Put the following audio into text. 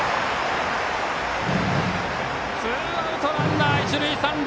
ツーアウト、ランナー、一塁三塁。